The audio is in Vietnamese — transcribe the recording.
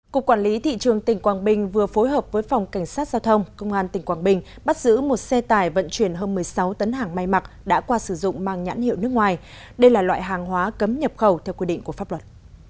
cục quản lý thị trường tỉnh quảng bình vừa phối hợp với phòng cảnh sát giao thông công an tỉnh quảng bình bắt giữ một xe tải vận chuyển hơn một mươi sáu tấn hàng may mặc đã qua sử dụng mang nhãn hiệu nước ngoài đây là loại hàng hóa cấm nhập khẩu theo quy định của pháp luật